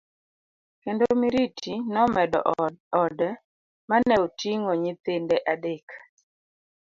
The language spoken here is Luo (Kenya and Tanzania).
Kendo Miriti nomedo ode mane oting'o nyithinde adek.